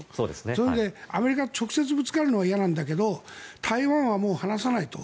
それで、アメリカと直接ぶつかるのは嫌なんだけど台湾はもう離さないと。